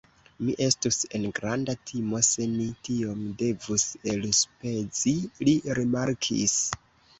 Mi estus en granda timo, se ni tiom devus elspezi, li rimarkis.